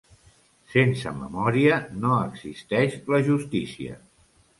"Sense memòria no existeix la justícia".